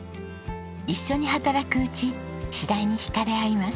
一緒に働くうち次第に引かれ合います。